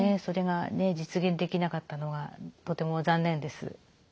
それが実現できなかったのがとても残念です。